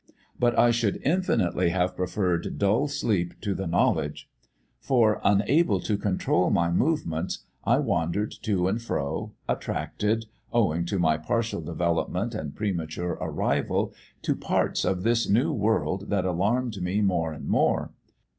But I should infinitely have preferred dull sleep to the knowledge. For, unable to control my movements, I wandered to and fro, attracted, owing to my partial development and premature arrival, to parts of this new world that alarmed me more and more.